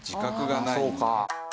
そうか。